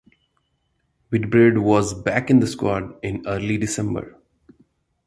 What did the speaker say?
Whitbread was back in the squad in early December.